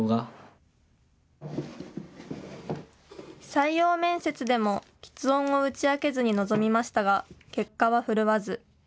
採用面接でもきつ音を打ち明けずに臨みましたが結果は振るわず。